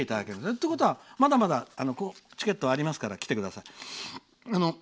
ということはまだまだチケットはありますから来てください。